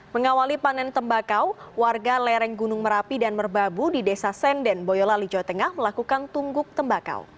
mengawali panen tembakau warga lereng gunung merapi dan merbabu di desa senden boyolali jawa tengah melakukan tungguk tembakau